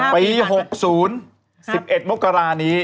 ปี๖๐๑๑มกรานี้